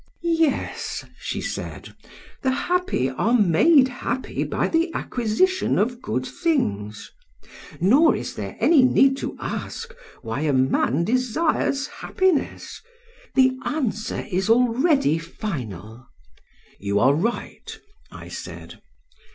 "'Yes,' she said, 'the happy are made happy by the acquisition of good things. Nor is there any need to ask why a man desires happiness; the answer is already final.' "'You are right,' I said.